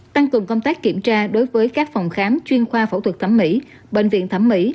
tăng cường công tác kiểm tra đối với các phòng khám chuyên khoa phẫu thuật thẩm mỹ bệnh viện thẩm mỹ